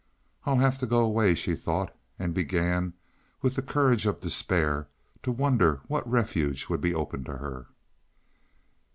"I'll have to go away," she thought, and began, with the courage of despair, to wonder what refuge would be open to her.